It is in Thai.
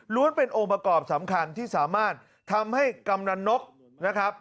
ล้วนเป็นองค์ประกอบสำคัญที่สามารถทำให้กำลังนก